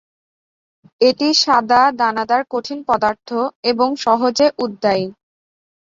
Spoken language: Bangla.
এটি সাদা দানাদার কঠিন পদার্থ এবং সহজে উদ্বায়ী।